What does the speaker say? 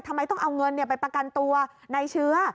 ทำไมต้องเอาเงินไปประกันตัวในเชื้อ